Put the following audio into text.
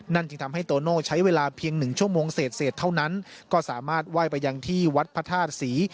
จึงทำให้โตโน่ใช้เวลาเพียงหนึ่งชั่วโมงเศษเท่านั้นก็สามารถไหว้ไปยังที่วัดพระธาตุศรี